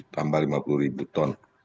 tambah lima puluh ribu ton